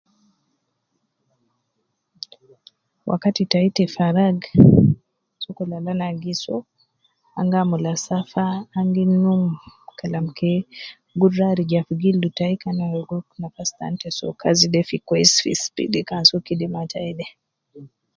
Wakati tai te farak, sokol al ana gi soo, an gi amula safa, an gi num Kalam ke gudra arija fi gildu tai kana ligo nafasi tan te soo kazi de fi kwesi fi speed kan soo kidima tai de